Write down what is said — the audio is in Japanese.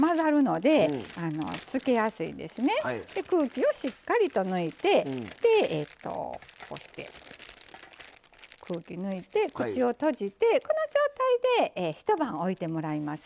で空気をしっかりと抜いてでこうして空気抜いて口を閉じてこの状態で一晩おいてもらいます。